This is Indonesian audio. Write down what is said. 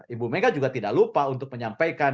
ibu mega juga tidak lupa untuk menyampaikan